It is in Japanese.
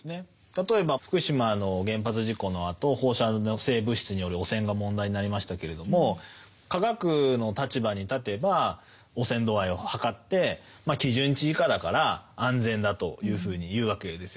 例えば福島の原発事故のあと放射性物質による汚染が問題になりましたけれども科学の立場に立てば汚染度合いを測って基準値以下だから安全だというふうに言うわけですよね。